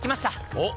おっ！